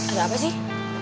ada apa sih